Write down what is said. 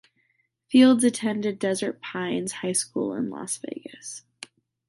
Fields attended Desert Pines High School in Las Vegas.